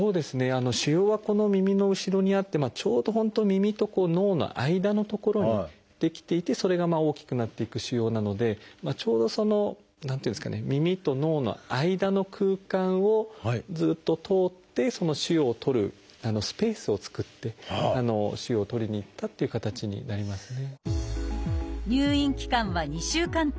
腫瘍はこの耳の後ろにあってちょうど本当耳と脳の間の所に出来ていてそれが大きくなっていく腫瘍なのでちょうど何ていうんですかね耳と脳の間の空間をずっと通って腫瘍を取るスペースを作って腫瘍を取りに行ったっていう形になりますね。